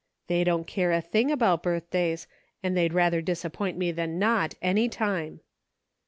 " They don't care a thing about birthdays, and they'd rather disappoint me than not, any time."